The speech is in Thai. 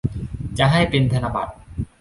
ก็จะให้เป็นธนบัตร